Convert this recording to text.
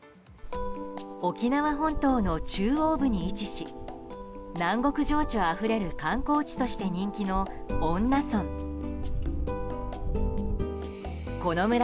沖縄本島の中央部に位置し南国情緒あふれる観光地として人気の恩納村。